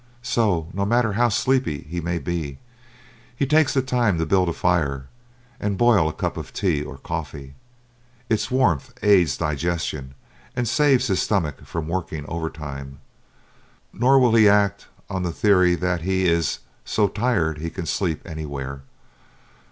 So, no matter how sleepy he may be, he takes the time to build a fire and boil a cup of tea or coffee. Its warmth aids digestion and saves his stomach from working overtime. Nor will he act on the theory that he is "so tired he can sleep anywhere."